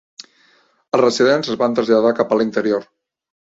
Els residents es van traslladar cap a l'interior.